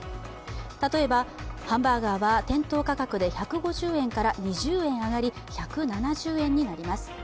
例えば、ハンバーガーは店頭価格で１５０円から２０円上がり１７０円になります。